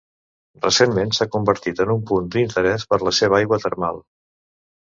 Recentment s'ha convertit en un punt d'interès per la seva aigua termal.